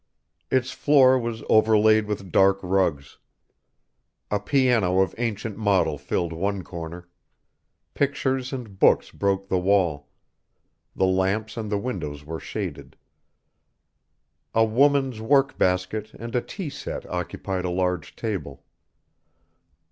Its floor was overlaid with dark rugs; a piano of ancient model filled one corner; pictures and books broke the wall; the lamps and the windows were shaded; a woman's work basket and a tea set occupied a large table.